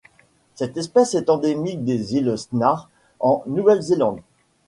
Cette espèce est endémique des îles Snares en Nouvelle-Zélande.